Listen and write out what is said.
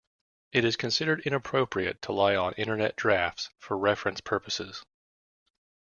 It is considered inappropriate to rely on Internet Drafts for reference purposes.